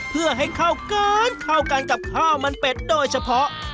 เพื่อให้เข้ากันเข้ากันกับข้าวมันเป็ดโดยเฉพาะ